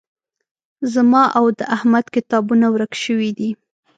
زما او د احمد کتابونه ورک شوي دي